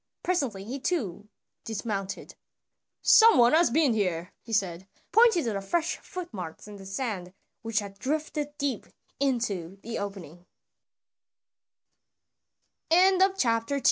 Presently he too dismounted. "Some one has been here," he said, pointing to the fresh footmarks in the sand which had drifted deep into the op